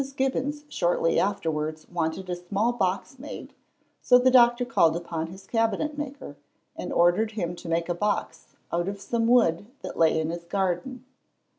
Gibbons shortly afterwards wanted a small box made, so the doctor called upon his cabinet maker, and ordered him to make a box out of some wood that lay in his garden.